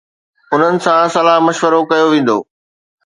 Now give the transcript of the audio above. انهن سان صلاح مشورو ڪيو ويندو